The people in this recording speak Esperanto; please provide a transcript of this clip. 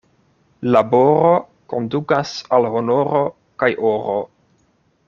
Laboro kondukas al honoro kaj oro.